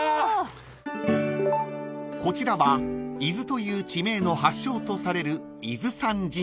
［こちらは伊豆という地名の発祥とされる］